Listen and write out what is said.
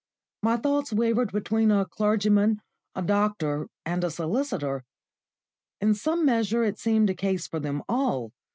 My thoughts wavered between a clergyman, a doctor, and a solicitor. In some measure it seemed a case for them all.